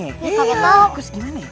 ini kaget banget